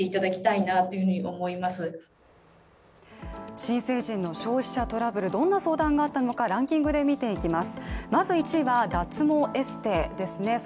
新成人の消費者トラブル、どんな相談があったのか、ランキングで見ていきます。